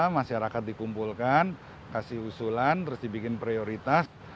masyarakat dikumpulkan kasih usulan terus dibikin prioritas